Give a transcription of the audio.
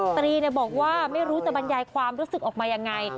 ตรีบอกว่าไม่รู้จะบรรยายความรู้สึกออกมายังไง